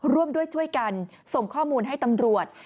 ร่วมด้วยช่วยกันส่งข้อมูลให้ตำรวจ